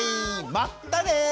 まったね！